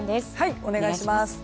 お願いします。